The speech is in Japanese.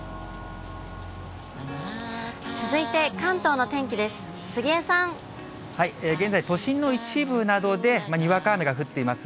続いて関東の天気です。